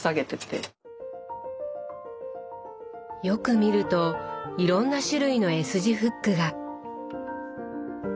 よく見るといろんな種類のＳ字フックが。